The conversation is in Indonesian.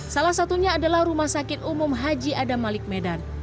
salah satunya adalah rumah sakit umum haji adam malik medan